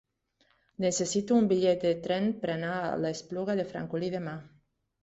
Necessito un bitllet de tren per anar a l'Espluga de Francolí demà.